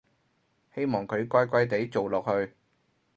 希望佢乖乖哋做落去